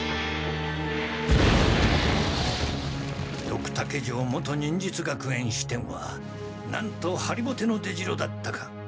ドクタケ城元忍術学園支店はなんとはりぼての出城だったか。